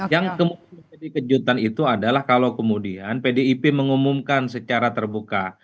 yang kemudian menjadi kejutan itu adalah kalau kemudian pdip mengumumkan secara terbuka